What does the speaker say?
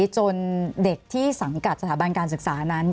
จนเด็กที่สังกัดสถาบันการศึกษานั้น